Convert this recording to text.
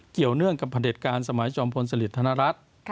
เกี่ยวเนื่องกับประเด็ดการณ์สมัยจอมพลสลิทธนรัฐ